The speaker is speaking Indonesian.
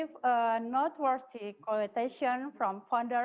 dan juga mereka memiliki akses digital